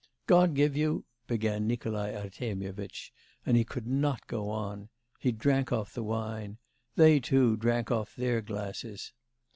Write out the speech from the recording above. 'God give you ' began Nikolai Artemyevitch, and he could not go on: he drank off the wine; they, too, drank off their glasses.